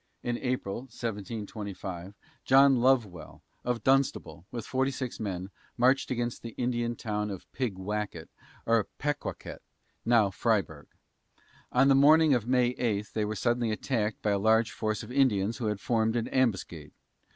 In April, 1725, John Lovewell, of Dunstable, with forty six men, marched against the Indian town of Pigwacket, or Pequawket (now Fryeburg). On the morning of May 8 they were suddenly attacked by a large force of Indians who had formed an ambuscade.